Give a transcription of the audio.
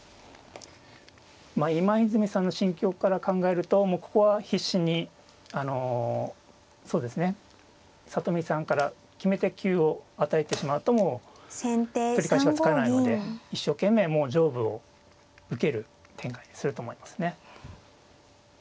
今泉さんの心境から考えるともうここは必死にあのそうですね里見さんから決め手級を与えてしまうともう取り返しがつかないので一生懸命もう上部を受ける展開にすると思いますね。